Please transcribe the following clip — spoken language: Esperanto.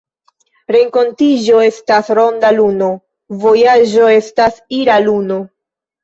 Renkontiĝo estas ‘ronda luno’,vojaĝo estas ‘ira luno’.